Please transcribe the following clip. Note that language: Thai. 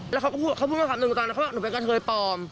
แล้วเขาก็พูดเขาพูดมาคำหนึ่งตอนนั้นเขาบอกหนูเป็นกะเทยปลอม